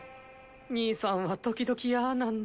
兄さんは時々ああなんだ。